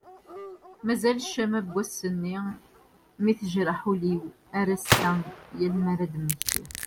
Mazal ccama n wass-nni mi tejreḥ ul-iw ar ass-a yal mi ad d-mmektiɣ.